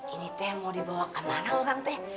ini teh mau dibawa kemana orang teh